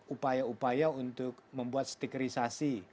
upaya upaya untuk membuat stikerisasi